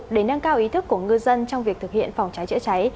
để nâng cao ý thức của ngư dân trong việc thực hiện phòng cháy chữa cháy